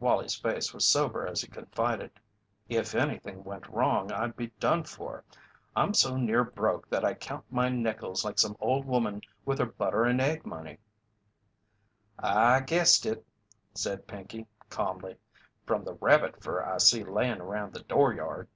Wallie's face was sober as he confided: "If anything went wrong I'd be done for. I'm so near broke that I count my nickels like some old woman with her butter and egg money." "I guessed it," said Pinkey, calmly, "from the rabbit fur I see layin' around the dooryard."